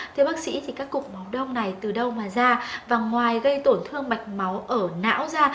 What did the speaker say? thưa bác sĩ thì các cụm máu đông này từ đâu mà ra và ngoài gây tổn thương mạch máu ở não da